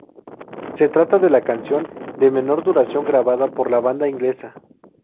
Se trata de la canción de menor duración grabada por la banda inglesa.